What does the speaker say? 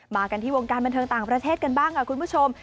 กันที่วงการบันเทิงต่างประเทศกันบ้างค่ะคุณผู้ชม